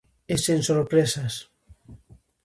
E sen sorpresas.